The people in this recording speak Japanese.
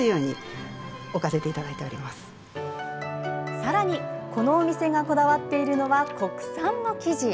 さらに、このお店がこだわっているのは国産の生地。